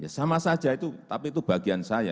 ya sama saja itu tapi itu bagian saya